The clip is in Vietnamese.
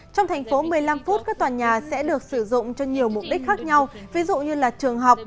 trong thành phố một mươi năm phút các tòa nhà sẽ được sử dụng cho nhiều mục đích khác nhau ví dụ như là trường học